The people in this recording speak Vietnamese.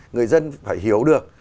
người dân phải hiểu được